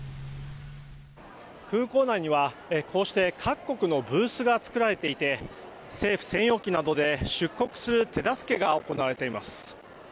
空港内には、こうして各国のブースが作られていて政府専用機などで出国する手助けが行われています。